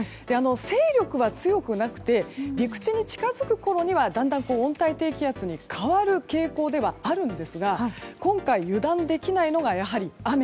勢力は強くなくて陸地に近づくころにはだんだん温帯低気圧に変わる傾向ではあるんですが今回、油断できないのがやはり雨。